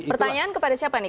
pertanyaan kepada siapa nih